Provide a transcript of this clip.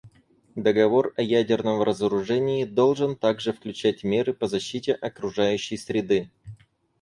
Договор о ядерном разоружении должен также включать меры по защите окружающей среды.